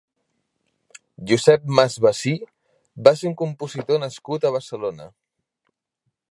Josep Masvasí va ser un compositor nascut a Barcelona.